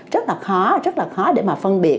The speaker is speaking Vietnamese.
rất là khó rất là khó để mà phân biệt